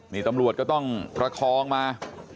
นี่ตำรวจก็ต้องประคองมา